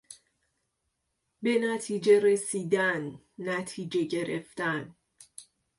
به نتیجه رسیدن، نتیجه گرفتن